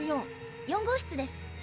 ４号室です。